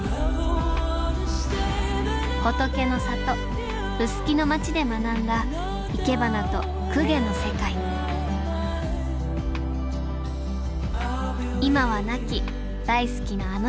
仏の里臼杵の町で学んだいけばなと供華の世界今は亡き大好きなあの人へ。